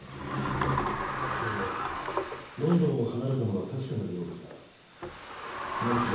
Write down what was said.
はそれがロンドンを離れたのは確かなようですが何しろ